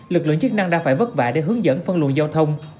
lực lượng chức năng đã phải vất vả để hướng dẫn phân luận giao thông